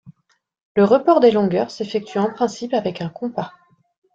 Le report des longueurs s'effectue en principe avec un compas.